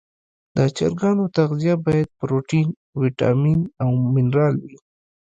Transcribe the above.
د چرګانو تغذیه باید پروټین، ویټامین او منرال ولري.